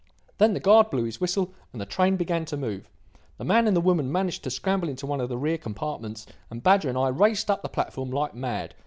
Then the guard blew his whistle and the train began to move. The man and the woman managed to scramble into one of the rear compartments and Badger and I raced up the platform like mad.